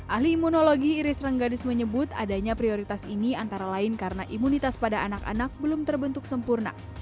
ahli imunologi iris renggaris menyebut adanya prioritas ini antara lain karena imunitas pada anak anak belum terbentuk sempurna